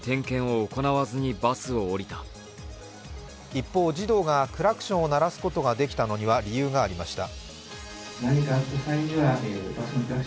一方、児童がクラクションを鳴らすことができたのには理由がありました。